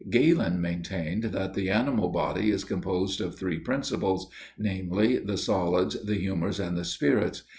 Galen maintained that the animal body is composed of three principles, namely, the solids, the humors, and the spirits.